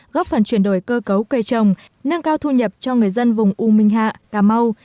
góp phần chuyển đổi cơ cấu cây trồng nâng cao thu nhập cho người dân vùng u minh hạ cà cà mau